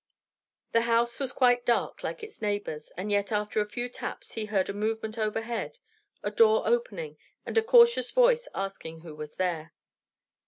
The house was quite dark, like its neighbors, and yet after a few taps, he heard a movement overhead, a door opening, and a cautious voice asking who was there.